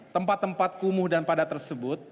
tempat tempat kumuh dan padat tersebut